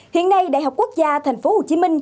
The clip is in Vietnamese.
hiện nay đại học quốc gia tp hcm